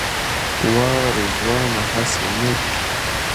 وا رضوانه هسې نه.